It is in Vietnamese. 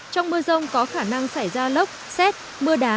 trong mưa rông có khả năng xảy ra lốc xét mưa đá